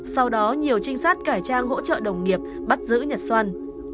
sau đó nhiều trinh sát cải trang hỗ trợ đồng nghiệp bắt giữ nhật xoăn